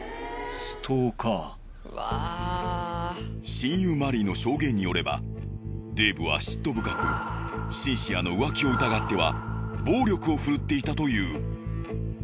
親友マリーの証言によればデイブは嫉妬深くシンシアの浮気を疑っては暴力をふるっていたという。